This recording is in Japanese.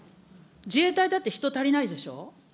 自衛隊だって人足りないでしょ。